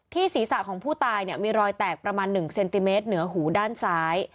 ศีรษะของผู้ตายมีรอยแตกประมาณ๑เซนติเมตรเหนือหูด้านซ้าย